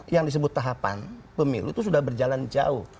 yang disebut tahapan pemilu itu sudah berjalan jauh